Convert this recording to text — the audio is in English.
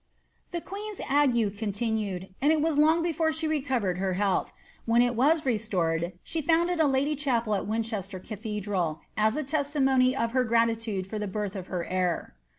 The queen's ague continued, and it was long before she recovered her health ; when it was restored, she founded a Lady Chapel at Winchester cathedral, as a testimony of gratitude for the birth of her heir.